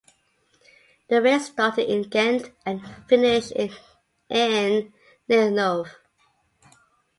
The race started in Ghent and finished in Ninove.